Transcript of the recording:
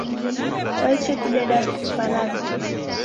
Kwaichi kudeda Kifaransa?